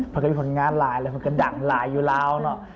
พอเป็นคนงานหลายแล้วมันก็ดังแหลยอยู่ร้าวเนาะ